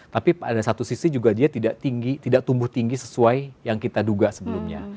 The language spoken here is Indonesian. tapi pada satu sisi juga dia tidak tumbuh tinggi sesuai yang kita duga sebelumnya